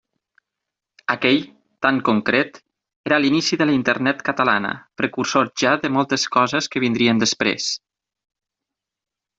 Aquell, tan concret, era l'inici de la Internet catalana, precursor ja de moltes coses que vindrien després.